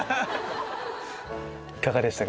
いかがでしたか？